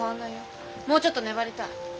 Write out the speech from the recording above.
もうちょっと粘りたい。